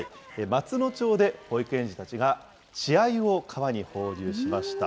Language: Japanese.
松野町で保育園児たちが、稚あゆを川に放流しました。